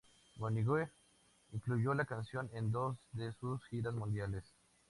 Minogue incluyó la canción en dos de sus giras mundiales.